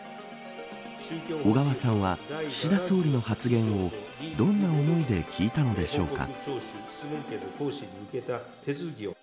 小川さんは岸田総理の発言をどんな思いで聞いたのでしょうか。